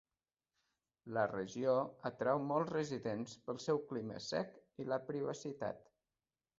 La regió atrau molts residents pel seu clima sec i la privacitat.